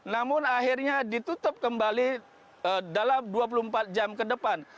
namun akhirnya ditutup kembali dalam dua puluh empat jam ke depan